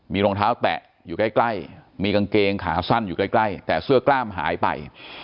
มีรองเท้าแตะอยู่ใกล้มีกางเกงขาสั้นอยู่ใกล้แต่เสื้อกล้ามหายไป